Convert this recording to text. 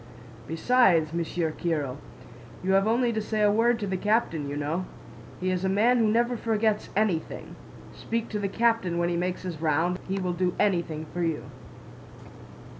"Besides, Monsieur Kiril, you have only to say a word to the captain, you know. He is a man who never forgets anything. Speak to the captain when he makes his round, he will do anything for you."